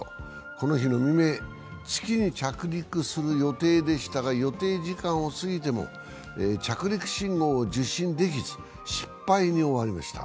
この日の未明、月に着陸する予定でしたが、予定時間を過ぎても着陸信号を受信できず失敗に終わりました。